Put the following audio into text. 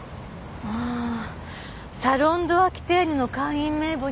ああサロン・ド・アキテーヌの会員名簿にはないわね